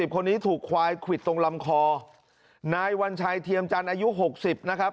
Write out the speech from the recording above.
คนนี้ถูกควายควิดตรงลำคอนายวัญชัยเทียมจันทร์อายุ๖๐นะครับ